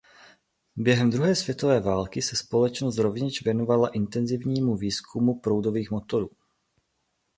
Během druhé světové války se společnost rovněž věnovala intenzivnímu výzkumu proudových motorů.